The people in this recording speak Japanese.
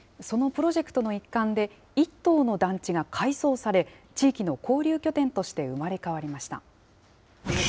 そのプロジェクトの一環で、一棟の団地が改装され、地域の交流拠点として生まれ変わりました。